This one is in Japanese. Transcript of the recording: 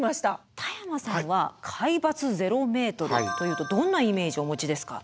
田山さんは海抜ゼロメートルというとどんなイメージをお持ちですか？